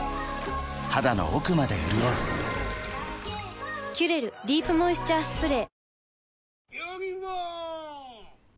肌の奥まで潤う「キュレルディープモイスチャースプレー」